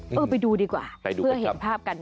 มาไปดูดีกว่าเพื่อเห็นภาพกัน